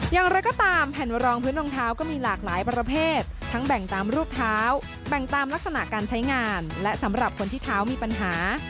อย่างไรก็ตามแผ่นรองพื้นรองเท้าก็มีหลากหลายประเภททั้งแบ่งตามรูปเท้าแบ่งตามลักษณะการใช้งานและสำหรับคนที่เท้ามีปัญหา